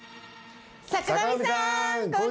坂上さーん